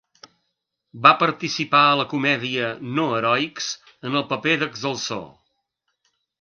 Va participar a la comèdia "No Heroics" en el paper d'Excelsor.